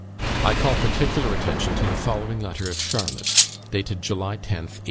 I call particular attention to the following letter of Charlotte's, dated July 10th, 1846.